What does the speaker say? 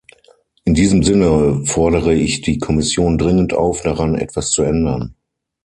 In diesem Sinne fordere ich die Kommission dringend auf, daran etwas zu ändern.